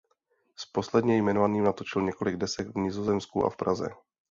S posledně jmenovaným natočil několik desek v Nizozemsku a v Praze.